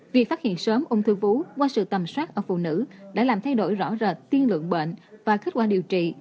vì phát hiện sớm ông thư vũ qua sự tầm soát ở phụ nữ đã làm thay đổi rõ rệt tiên lượng bệnh và kết quả điều trị